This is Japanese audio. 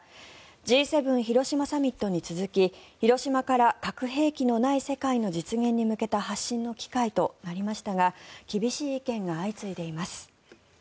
Ｇ７広島サミットに続き広島から核兵器のない世界の実現に向けた発信の機会となりましたが厳しい意見が相次いでいます。